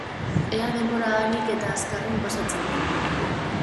Ea denbora ahalik eta azkarren pasatzen den.